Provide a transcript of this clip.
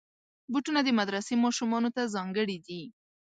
بوټونه د مدرسې ماشومانو ته ځانګړي دي.